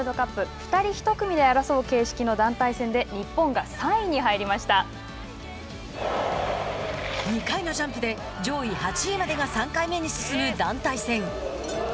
２人１組で争う形式の団体戦で２回目のジャンプで上位８位までが３回目に進む団体戦。